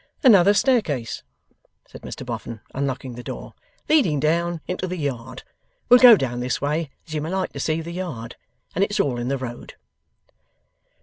'Another staircase,' said Mr Boffin, unlocking the door, 'leading down into the yard. We'll go down this way, as you may like to see the yard, and it's all in the road.